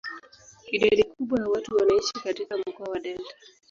Idadi kubwa ya watu wanaishi katika mkoa wa delta.